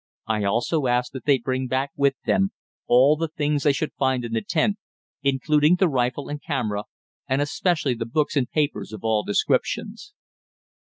I also asked that they bring back with them all the things they should find in the tent, including the rifle and camera, and especially the books and papers of all descriptions.